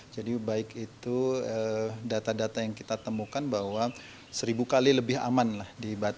jadi baik itu data data yang kita temukan bahwa seribu kali lebih aman lah